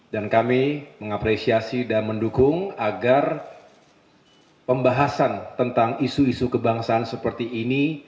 dan kami mengapresiasi dan mendukung agar pembahasan tentang isu isu kebangsaan seperti ini